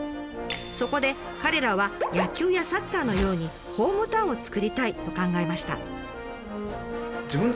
そこで彼らは野球やサッカーのようにホームタウンを作りたいと考えました。